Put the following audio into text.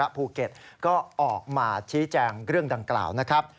ภูเก็ตก็ออกมาชี้แจงเรื่องดังกล่าวนะครับ